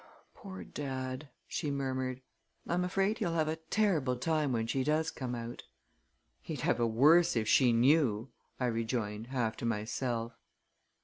"Poor dad!" she murmured. "I'm afraid he'll have a terrible time when she does come out!" "He'd have a worse if she knew!" I rejoined, half to myself.